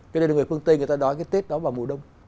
cho nên là người phương tây người ta đón cái tết đó vào mùa đông